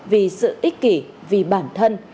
vì sự ích kỷ vì bản thân